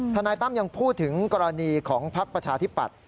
นายตั้มยังพูดถึงกรณีของพักประชาธิปัตย